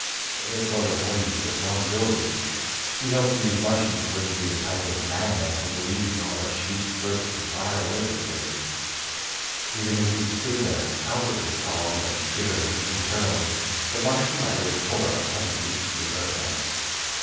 It was a heavy responsibility he hoped these Martians wouldn't be the type of madmen who believed in the "shoot first, inquire later" theory. Even as he stood there, outwardly calm but jittering internally, the Martian riders pulled up ten feet from the Earthmen.